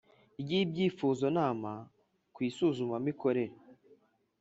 Ry ibyifuzonama ku isuzumamikorere